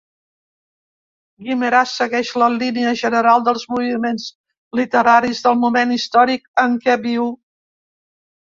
Guimerà segueix la línia general dels moviments literaris del moment històric en què viu.